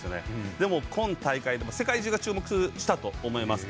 でも今大会で世界中が注目したと思います。